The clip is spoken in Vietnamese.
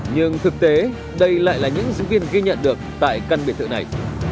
nhưng thực tế đây lại là những diễn viên ghi nhận được tại căn biệt thự này